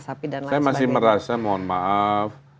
saya masih merasa mohon maaf